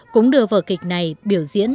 cũng đưa vợ kịch này biểu diễn